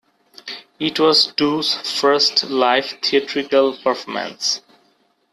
It was Do's first live theatrical performance.